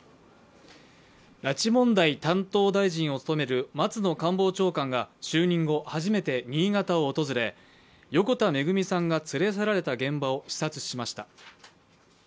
拉致問題担当大臣を務める松野官房長官が就任後初めて新潟を訪れ、横田めぐみさんが連れ去られた現場を視察しました。